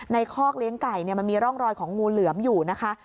คอกเลี้ยงไก่มันมีร่องรอยของงูเหลือมอยู่นะคะ